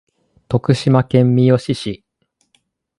徳島県三好市